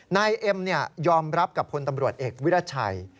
นายเอ็มยอมรับกับพลตำรวจเอกวิรัชัย